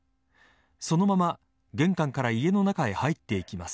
そのまま玄関から家の中に入っていきます。